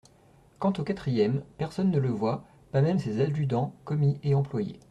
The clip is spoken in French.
Quant au quatrième, personne ne le voit, pas même ses adjudants, commis et employés.